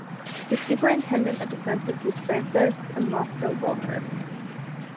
The Superintendent of the Census was Francis Amasa Walker.